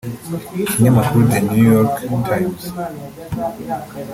Ikinyamakuru The New York Times